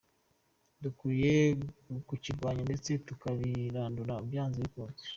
Dukwiye kukirwanya ndetse tukabirandura byanze bikunze.